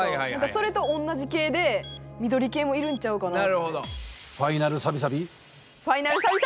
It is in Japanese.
それと同じ系で緑系もいるんちゃうかなって。